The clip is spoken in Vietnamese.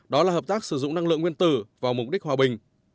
đó là hợp tác sử dụng năng lượng nguyên tử vào mục đích hòa bình